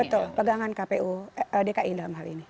betul pegangan kpu dki dalam hal ini